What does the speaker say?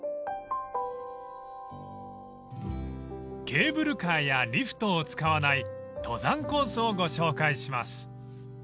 ［ケーブルカーやリフトを使わない登山コースをご紹介します］